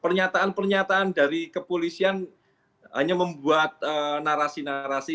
pernyataan pernyataan dari kepolisian hanya membuat narasi narasi